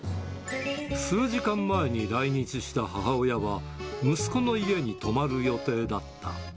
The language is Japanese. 数時間前に来日した母親は、息子の家に泊まる予定だった。